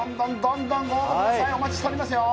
お待ちしておりますよ